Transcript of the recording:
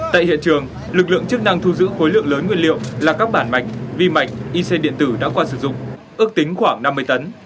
tại hiện trường lực lượng chức năng thu giữ khối lượng lớn nguyên liệu là các bản mạch vi mạch inc điện tử đã qua sử dụng ước tính khoảng năm mươi tấn